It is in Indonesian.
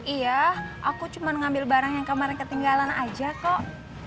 iya aku cuma ngambil barang yang kemarin ketinggalan aja kok